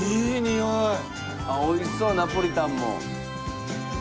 おいしそうナポリタンも。